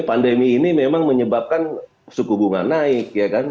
pandemi ini memang menyebabkan suku bunga naik ya kan